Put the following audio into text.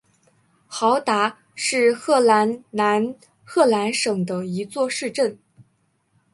豪达是荷兰南荷兰省的一座市镇。